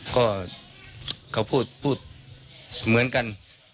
เขาพูดเหมือนกัน